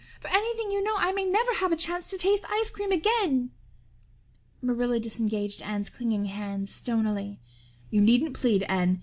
For anything you know I may never have a chance to taste ice cream again." Marilla disengaged Anne's clinging hands stonily. "You needn't plead, Anne.